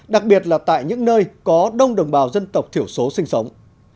đặc biệt là tại những nơi có đông đồng bào dân tộc thiểu số sinh sống